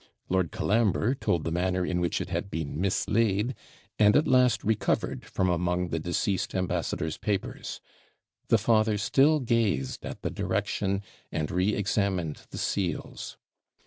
Lord Colambre told the manner in which it had been mislaid, and at last recovered from among the deceased ambassador's papers. The father still gazed at the direction, and re examined the seals.